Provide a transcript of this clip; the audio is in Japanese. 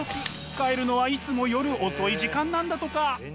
帰るのはいつも夜遅い時間なんだとか！